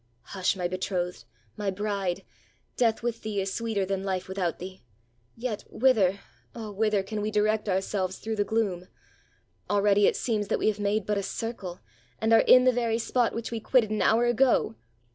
"Hush, my betrothed! my bride! Death with thee is sweeter than life without thee ! Yet, whither — oh ! whither can we direct ourselves through the gloom? Al ready, it seems that we have made but a circle, and are in the very spot which we quitted an hour ago."